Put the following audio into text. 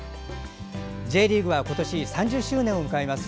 Ｊリーグは今年、３０周年を迎えます。